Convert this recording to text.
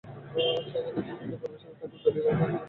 ছায়ানটের শিল্পীদের পরিবেশনায় থাকবে দলীয় গান, একক গান ও আবৃত্তি।